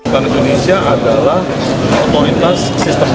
karena indonesia adalah otoritas sistem